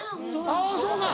あぁそうか。